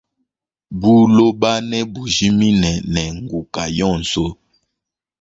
Buloba ne bujimine ne nkuka yonso.